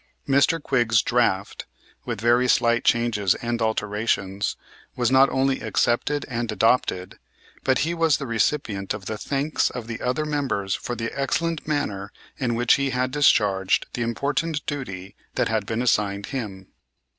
Mr. Quigg's draft, with very slight changes and alterations, was not only accepted and adopted, but he was the recipient of the thanks of the other members for the excellent manner in which he had discharged the important duty that had been assigned him.